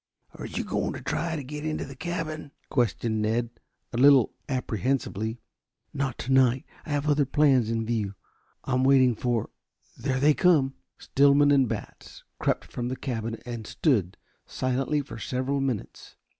"Are you going to try to get into the cabin?" questioned Ned a little apprehensively. "Not tonight. I have other plans in view. I am waiting for there they come." Stillman and Batts crept from the cabin and stood silently for several minutes.